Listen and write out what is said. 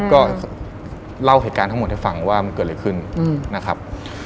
ก็เล่าเหตุการณ์ทั้งหมดให้ฟังว่ามันเกิดอะไรขึ้นนะครับ